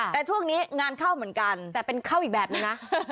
แต่ช่วงนี้งานเข้าเหมือนกันแต่เป็นเข้าอีกแบบนึงนะ